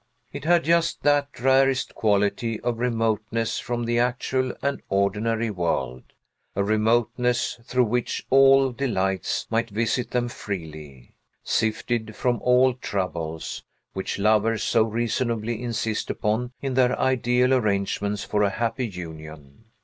It had just that rarest quality of remoteness from the actual and ordinary world B a remoteness through which all delights might visit them freely, sifted from all troubles which lovers so reasonably insist upon, in their ideal arrangements for a happy union.